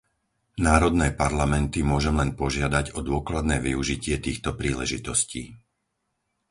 Národné parlamenty môžem len požiadať o dôkladné využitie týchto príležitostí!